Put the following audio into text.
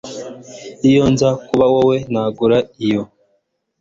Iyo nza kuba wowe nagura iyo